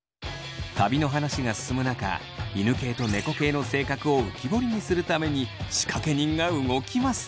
旅の話が進む中犬系と猫系の性格を浮き彫りにするために仕掛け人が動きます！